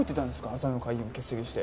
朝の会議も欠席して。